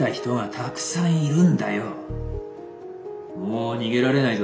もう逃げられないぞ。